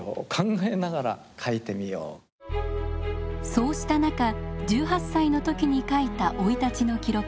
そうした中１８歳の時に書いた生い立ちの記録